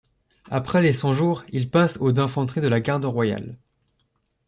Après les Cent jours, il passe au d'infanterie de la garde royale.